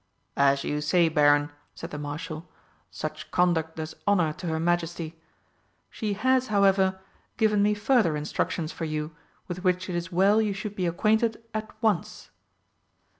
"As you say, Baron," said the Marshal, "such conduct does honour to her Majesty. She has, however, given me further instructions for you with which it is well you should be acquainted at once."